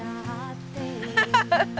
ハハハハ！